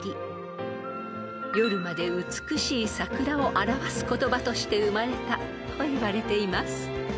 ［夜まで美しい桜を表す言葉として生まれたといわれています］